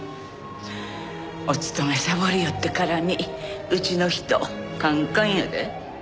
お勤めサボりよってからにうちの人カンカンやで。